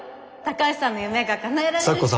高橋さんの夢がかなえられる。